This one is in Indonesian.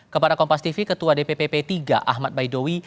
kepada kompas tv ketua dpp p tiga ahmad baidowi